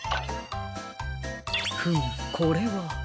フムこれは。